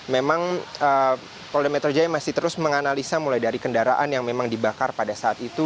memang polda metro jaya masih terus menganalisa mulai dari kendaraan yang memang dibakar pada saat itu